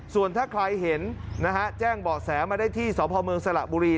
ส่วนถ้าใครเห็นนะฮะแจ้งเบาะแสมาได้ที่สพเมืองสระบุรี